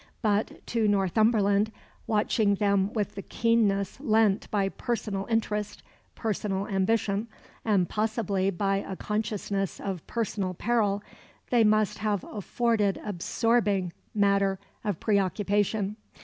But to Northumberland, watching them with the keenness lent by personal interest, personal ambition, and possibly by a consciousness of personal peril, they must have afforded absorbing matter of preoccupation.